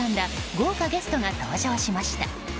豪華ゲストが登場しました。